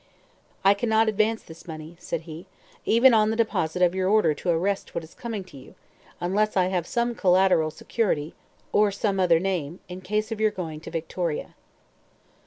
"I cannot advance this money," said he, "even on the deposit of your order to arrest what is coming to you, unless I have some collateral security, or some other name, in case of your going to Victoria."